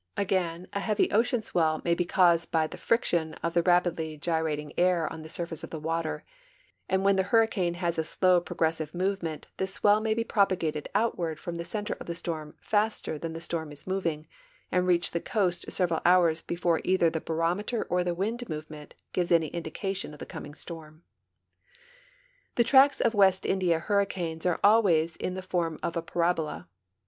S AND WEATHER FORECASTS Hi heavy ocean swell may be caused by tbe friction of the rajiidlv gyrating air on the surface of the water, and when the iiurricane has a slow progressive movement tiiis swell may be propagated outward from thecenter of the storm faster than the storm is mov ing and reach the coast several hours before either the Ijarometer or the wind movement gives any indication of the coming storm. The tracks of West India hurricanes are alwa3's in the form of a parabola.